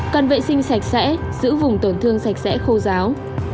cần vệ sinh sạch sẽ giữ vùng tổn thương sạch sẽ khô giáo